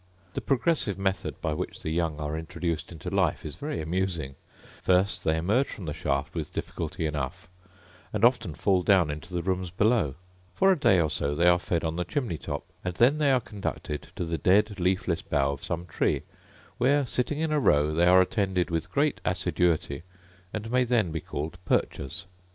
The progressive method by which the young are introduced into life is very amusing: first, they emerge from the shaft with difficulty enough, and often fall down into the rooms below: for a day or so they are fed on the chimney top, and then are conducted to the dead leafless bough of some tree, where, sitting in a row, they are attended with great assiduity, and may then be called perchers.